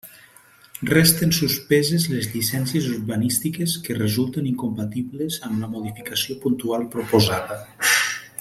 Resten suspeses les llicències urbanístiques que resulten incompatibles amb la modificació puntual proposada.